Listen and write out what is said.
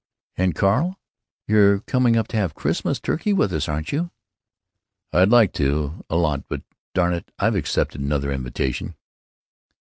"And, Carl, you're coming up to have your Christmas turkey with us, aren't you?" "I'd like to, a lot, but darn it, I've accepted 'nother invitation."